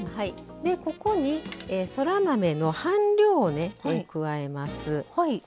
ここに、そら豆の半量を加えます。